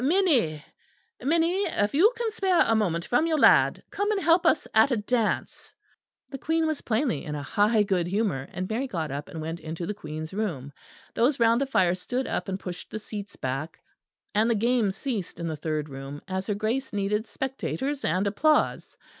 "Minnie, Minnie, if you can spare a moment from your lad, come and help us at a dance." The Queen was plainly in high good humour; and Mary got up and went into the Queen's room. Those round the fire stood up and pushed the seats back, and the games ceased in the third room; as her Grace needed spectators and applause.